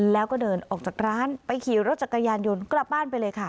แล้วก็เดินออกจากร้านไปขี่รถจักรยานยนต์กลับบ้านไปเลยค่ะ